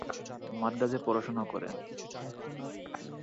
মাদ্রাজে পড়াশোনা করেন।